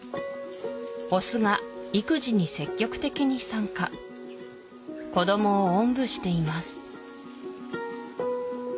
オスが育児に積極的に参加子どもをおんぶしています